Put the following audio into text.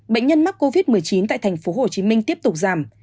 bệnh nhân mắc covid một mươi chín tại thành phố hồ chí minh tiếp tục giảm